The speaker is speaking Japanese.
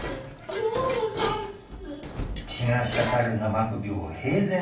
可うござんす。